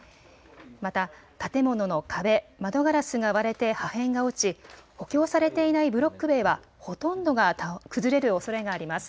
また建物の壁、窓ガラスが割れて破片が落ち、補強されていないブロック塀はほとんどが崩れるおそれがあります。